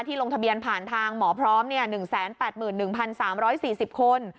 ลงทะเบียนผ่านทางหมอพร้อม๑๘๑๓๔๐คน